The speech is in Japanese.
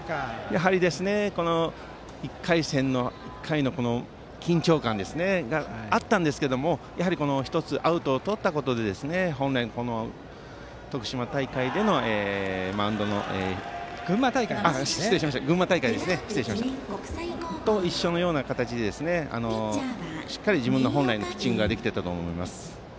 やはり緊張感があったんですけども１つアウトをとったことで本来の群馬大会と一緒のような形でしっかり自分本来のピッチングができていたと思います。